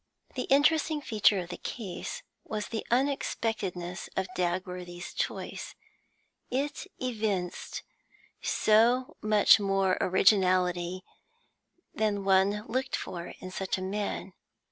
The interesting feature of the case was the unexpectedness of Dagworthy's choice. It evinced so much more originality than one looked for in such a man.